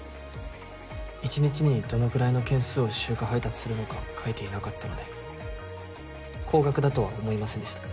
１日にどのくらいの件数を集荷配達するのか書いていなかったので高額だとは思いませんでした。